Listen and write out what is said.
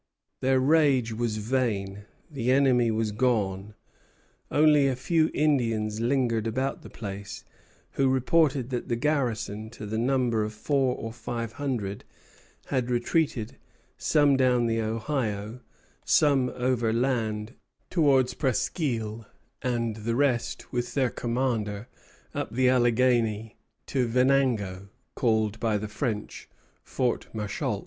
Their rage was vain; the enemy was gone. Only a few Indians lingered about the place, who reported that the garrison, to the number of four or five hundred, had retreated, some down the Ohio, some overland towards Presquisle, and the rest, with their commander, up the Alleghany to Venango, called by the French, Fort Machault.